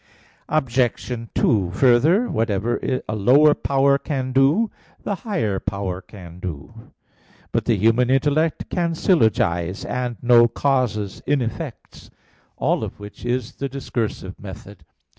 Obj. 2: Further, whatever a lower power can do, the higher can do. But the human intellect can syllogize, and know causes in effects; all of which is the discursive method.